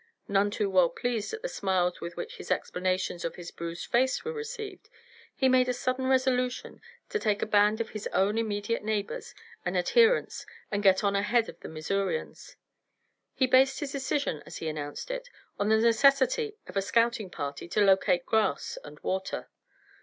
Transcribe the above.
None too well pleased at the smiles with which his explanations of his bruised face were received, he made a sudden resolution to take a band of his own immediate neighbors and adherents and get on ahead of the Missourians. He based his decision, as he announced it, on the necessity of a scouting party to locate grass and water.